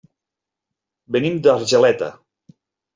Venim d'Argeleta.